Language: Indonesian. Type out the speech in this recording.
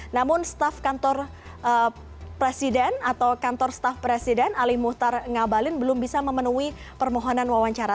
namun staf kantor presiden atau kantor staf presiden ali muhtar ngabalin belum bisa memenuhi permohonan wawancara